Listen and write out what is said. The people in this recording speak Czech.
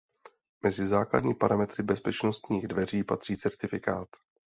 Mezi základní parametry bezpečnostních dveří patří certifikát.